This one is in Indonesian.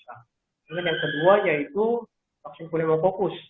kemudian yang kedua yaitu vaksin polimofokus